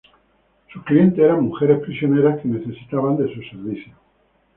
Sus clientes eran mujeres prisioneras que necesitaban de sus servicios.